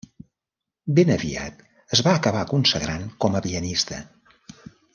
Ben aviat es va acabar consagrant com a pianista.